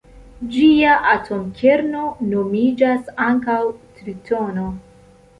Ĝia atomkerno nomiĝas ankaŭ tritono.